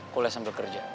kuliah sambil kerja